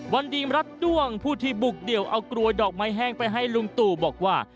วันดีมรัฐด้วงผู้ที่บุกเดี่ยวเอากลวยดอกไม้แห้งไปให้ลุงตู่บอกว่า